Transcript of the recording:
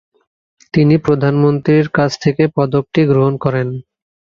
তিনি প্রধানমন্ত্রীর কাছ থেকে পদকটি গ্রহণ করেন।